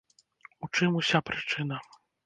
У чым уся прычына?